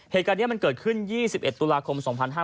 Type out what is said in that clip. เหตุการณ์นี้มันเกิดขึ้น๒๑ตุลาคม๒๕๕๙